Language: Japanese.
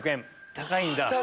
高いんだ。